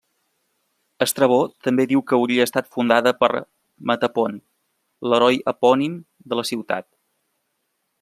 Estrabó també diu que hauria estat fundada per Metapont, l'heroi epònim de la ciutat.